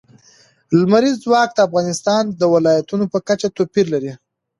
لمریز ځواک د افغانستان د ولایاتو په کچه توپیر لري.